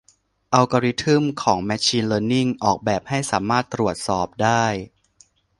อัลกอรึทึ่มของแมชชีนเลินนิ่ง ออกแบบให้สามารถตรวจสอบได้